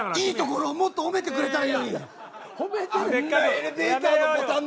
いいところをもっと褒めてくれたらいいのに。